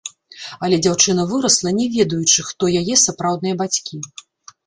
Але дзяўчына вырасла, не ведаючы, хто яе сапраўдныя бацькі.